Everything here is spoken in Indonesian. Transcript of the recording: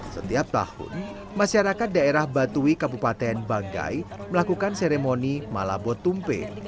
setiap tahun masyarakat daerah batui kabupaten banggai melakukan seremoni malabo tumpe